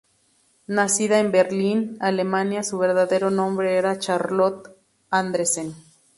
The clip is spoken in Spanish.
Nacida en Berlín, Alemania, su verdadero nombre era Charlotte Andresen.